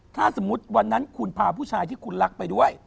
ถ้าสมมุติวันนั้นคุณพาผู้ชายที่คุณรักไปด้วย